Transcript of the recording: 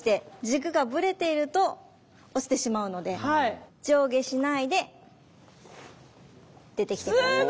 軸がブレていると落ちてしまうので上下しないで出てきて下さい。